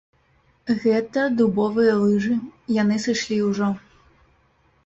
Гэта дубовыя лыжы, яны сышлі ўжо.